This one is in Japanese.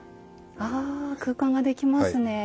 あ空間ができますね。